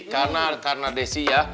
karena desi ya